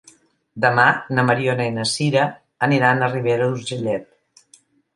Demà na Mariona i na Sira aniran a Ribera d'Urgellet.